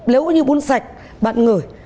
nếu như bún sạch bạn ngửi